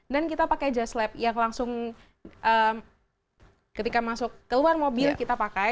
dan kita pakai just lap yang langsung ketika masuk keluar mobil kita pakai